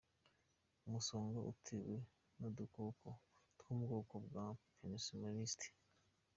Umusoga utewe n’udukoko two mu bwoko bwa Pneumocystis,.